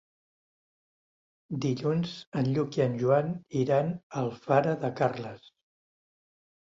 Dilluns en Lluc i en Joan iran a Alfara de Carles.